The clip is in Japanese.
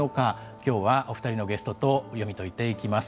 今日はお二人のゲストと読み解いていきます。